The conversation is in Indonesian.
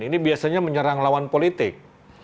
ini biasanya menyerang lawan politik